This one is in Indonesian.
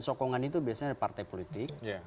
sokongan itu biasanya partai politik